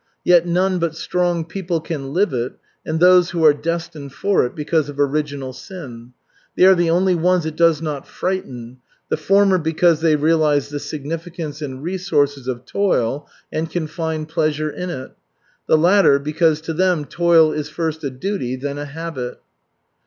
Yet none but strong people can live it and those who are destined for it because of original sin. They are the only ones it does not frighten; the former because they realize the significance and resources of toil and can find pleasure in it; the latter, because to them toil is first a duty, then a habit.